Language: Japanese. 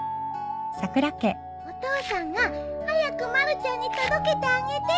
お父さんが早くまるちゃんに届けてあげてって。